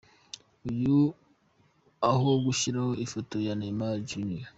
Uyu aho gushyiraho ifoto ya Neymar Jr.